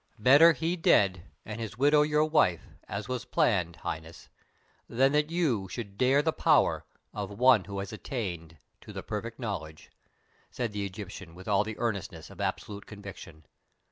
"Better he dead and his widow your wife, as was planned, Highness, than that you should dare the power of one who has attained to the Perfect Knowledge," said the Egyptian, with all the earnestness of absolute conviction.